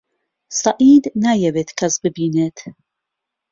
سەعید نایەوێت کەس ببینێت.